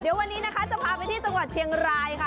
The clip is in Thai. เดี๋ยววันนี้นะคะจะพาไปที่จังหวัดเชียงรายค่ะ